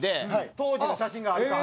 当時の写真があるか？